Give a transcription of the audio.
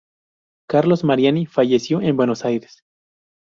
Carlos Mariani falleció en Buenos Aires